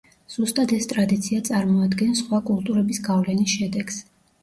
ზუსტად ეს ტრადიცია წარმოადგენს სხვა კულტურების გავლენის შედეგს.